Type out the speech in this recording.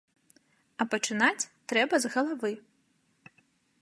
А пачынаць трэба з галавы.